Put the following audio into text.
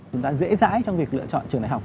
chúng ta dễ dãi trong việc lựa chọn trường đại học